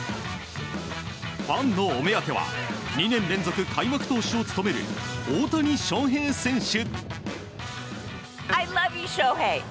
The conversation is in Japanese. ファンのお目当ては２年連続開幕投手を務める大谷翔平選手。